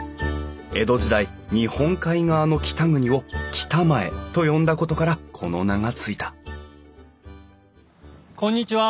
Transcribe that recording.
江戸時代日本海側の北国を北前と呼んだことからこの名が付いたこんにちは。